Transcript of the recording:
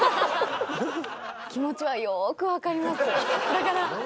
だから。